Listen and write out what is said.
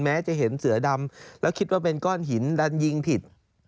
แม้จะเห็นเสือดำแล้วคิดว่าเป็นก้อนหินดันยิงผิด